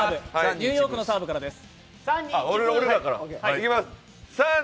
ニューヨークのサーブからです。